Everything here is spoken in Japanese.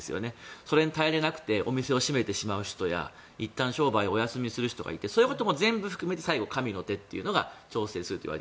それに耐えるまでにお店を閉めてしまう人や商売をお休みする人もいてそういうことも全部含めて最後、神の手が調整するといわれる。